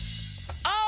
あ！